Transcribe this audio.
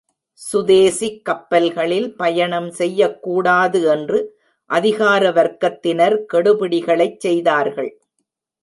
சுதேசிக் கப்பல்களில் பயணம் செய்யக் கூடாது என்று அதிகார வர்க்கத்தினர் கெடுபிடிகளைச் செய்தார்கள்.